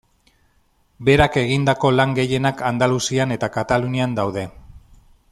Berak egindako lan gehienak Andaluzian eta Katalunian daude.